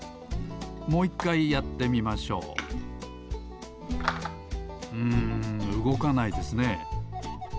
もう１かいやってみましょううんうごかないですね。